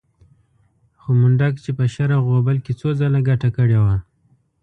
خو منډک چې په شر او غوبل کې څو ځله ګټه کړې وه.